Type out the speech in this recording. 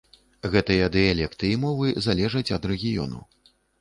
Гэтыя дыялекты і мовы залежаць ад рэгіёну.